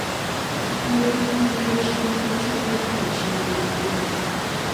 Okwogera ku ngeri ekitongole ky'ebyobulamu gye kiyimiriddemu.